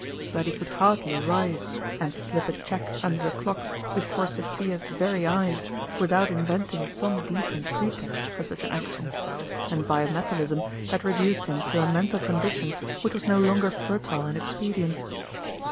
But he could hardly rise and slip a cheque under the clock before Sophia's very eyes without inventing some decent pretext for such an action, and bi metal ism had reduced him to a mental condition which was no longer fertile in expedients.